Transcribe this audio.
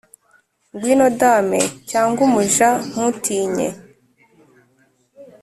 ngwino dame cyangwa umuja, ntutinye,